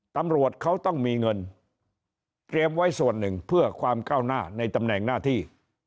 ตำรวจเขาต้องมีเงินเตรียมไว้ส่วนหนึ่งเพื่อความก้าวหน้าในตำแหน่งหน้าที่